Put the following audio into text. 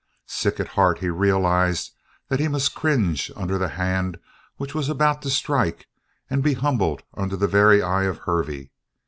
Sick at heart, he realized that he must cringe under the hand which was about to strike and be humble under the very eye of Hervey.